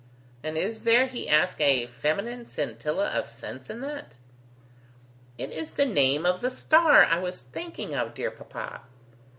And is there," he asked, "a feminine scintilla of sense in that?" "It is the name of the star I was thinking of, dear papa."